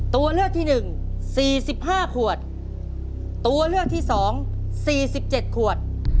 ตัวเลือกที่หนึ่งสี่สิบห้าขวดตัวเลือกที่สองสี่สิบเจ็ดขวด